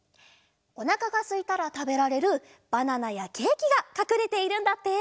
おなかがすいたらたべられるバナナやケーキがかくれているんだって。